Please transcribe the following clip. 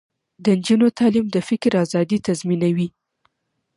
د نجونو تعلیم د فکر ازادي تضمینوي.